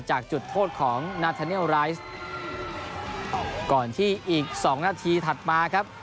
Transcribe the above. จากจุดโทษของนาแทเนียลไรซ์ก่อนที่อีกสองนาทีถัดมาครับ